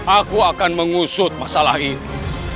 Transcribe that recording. aku akan mengusut masalah ini